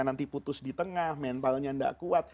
nanti putus di tengah mentalnya tidak kuat